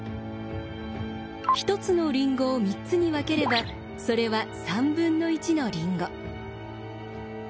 １つのりんごを３つに分ければそれは３分の１のりんご。